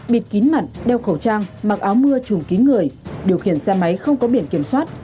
bịt kín mặt đeo khẩu trang mặc áo mưa chùm kín người điều khiển xe máy không có biển kiểm soát